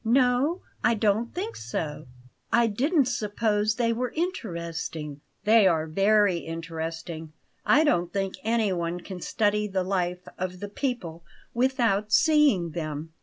"No; I don't think so. I didn't suppose they were interesting." "They are very interesting. I don't think anyone can study the life of the people without seeing them.